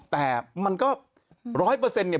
แต่มันก็ร้อยเปอร์เซ็นต์เนี่ย